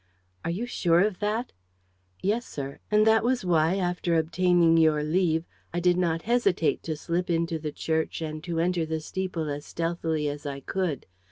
"Are you sure of that?" "Yes, sir. And that was why, after obtaining your leave, I did not hesitate to slip into the church and to enter the steeple as stealthily as I could.